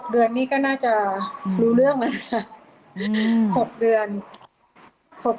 เดือนนี้ก็น่าจะรู้เรื่องแล้วนะคะ๖เดือน